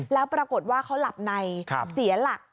แล้วปรากฏว่าเขาหลับในเสียหลัก